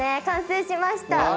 完成しました。